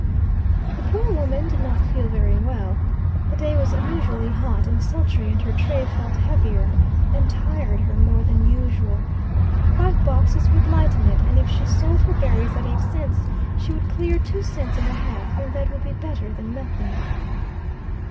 The poor woman did not feel very well. The day was unusually hot and sultry, and her tray felt heavier, and tired her more than usual. Five boxes would lighten it, and if she sold her berries at eight cents, she would clear two cents and a half, and that would be better than nothing.